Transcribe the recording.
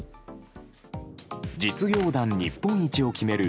実業団日本一を決める